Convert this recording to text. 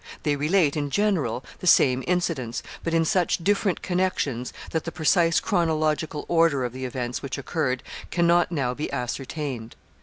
They relate, in general, the same incidents, but in such different connections, that the precise chronological order of the events which occurred can not now be ascertained.